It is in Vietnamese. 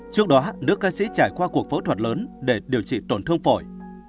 trước đó nữ ca sĩ trải qua cuộc phẫu thuật lớn để điều trị tổn thương phổi